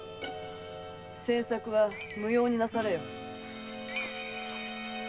詮索は無用になされよ。